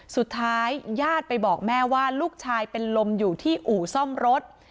สุดท้ายญาติไปบอกแม่ว่าลูกชายเป็นลมอยู่ที่อู่ซ่อมรถ